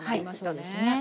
そうですね。